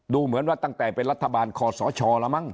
ดูเหมือนว่าตั้งแต่เป็นรัฐบาลคอสชแล้วมั้ง